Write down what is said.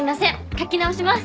書き直します！